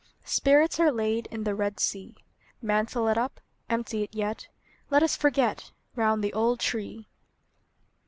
Spirits are laid In the Red Sea. Mantle it up; Empty it yet; Let us forget, Round the old tree!